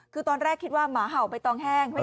คือตอนแรกคิดว่าหมาเห่าใบตองแห้ง